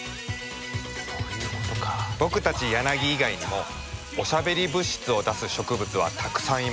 僕たちヤナギ以外にもおしゃべり物質を出す植物はたくさんいます。